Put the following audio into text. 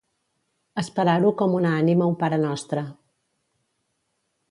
Esperar-ho com una ànima un parenostre.